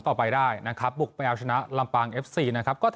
ต่อไปได้นะครับบุกไปเอาชนะลำปางเอฟซีนะครับก็จะ